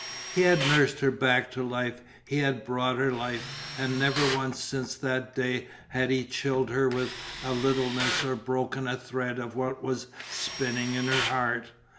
He had nursed her back to life, he had brought her life, and never once since that day had he chilled her with a littleness or broken a thread of what was spinning in her heart.